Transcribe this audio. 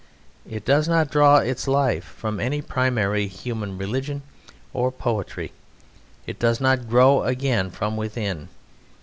It does not draw its life from any primary human religion or poetry; it does not grow again from within.